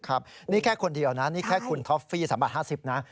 นี่แค่คนเดียวนะนี่แค่คุณท็อฟฟี่๓บาท๕๐นะ